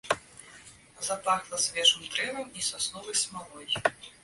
Запахла свежым дрэвам і сасновай смалой.